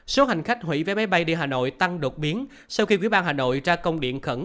số hành khách hủy vé máy bay đi hà nội tăng đột biến sau khi quỹ ban hà nội ra công điện khẩn